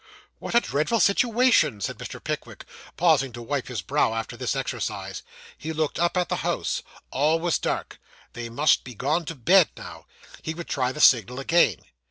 'What a dreadful situation,' said Mr. Pickwick, pausing to wipe his brow after this exercise. He looked up at the house all was dark. They must be gone to bed now. He would try the signal again.